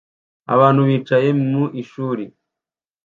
Abantu bicaye mu ishuri